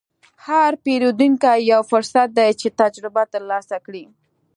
هر پیرودونکی یو فرصت دی چې تجربه ترلاسه کړې.